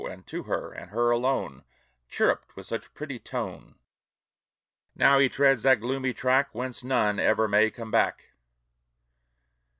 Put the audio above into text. And to her, and her alone, Chirruped with such pretty tone. Now he treads that gloomy track Whence none ever may come back.